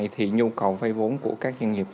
thì nhu cầu vây vốn của các doanh nghiệp